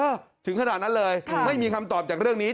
ถึงขนาดนั้นเลยไม่มีคำตอบจากเรื่องนี้